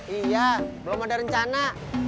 iya belum ada rencana